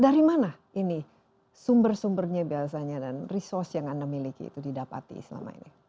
dari mana ini sumber sumbernya biasanya dan resource yang anda miliki itu didapati selama ini